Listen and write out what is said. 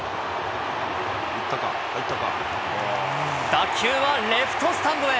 打球はレフトスタンドへ。